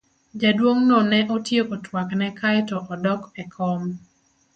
Jaduong'no ne otieko twakne kae to odok e kom.